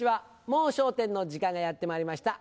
『もう笑点』の時間がやってまいりました。